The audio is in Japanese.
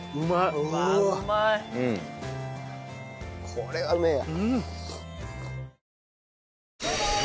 これはうめえや！